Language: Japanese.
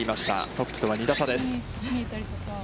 トップとは２打差です。